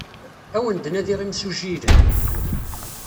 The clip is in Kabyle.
Ad awen-d-nadiɣ imsujji yelhan.